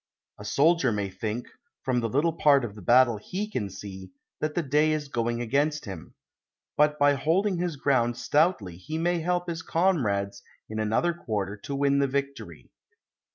A soldier may think, from the little part of the battle he can see, that the day is going against him; but by holding his ground stoutly he may help his comrades in another quarter to win the victory.